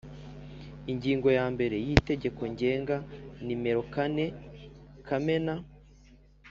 Ingingo ya mbere y Itegeko Ngenga nimero kane kamena